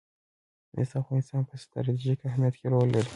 مس د افغانستان په ستراتیژیک اهمیت کې رول لري.